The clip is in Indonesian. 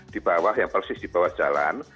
di bawah yang persis di bawah jalan